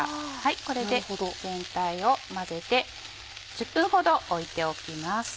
これで全体を混ぜて１０分ほど置いておきます。